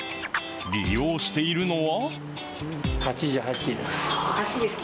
利用しているのは。